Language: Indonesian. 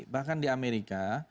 bahkan di amerika